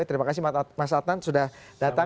terima kasih mas adnan sudah datang